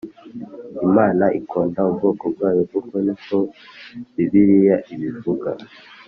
Imana ikunda ubwoko bwayo kuko niko bibiriya ibivuga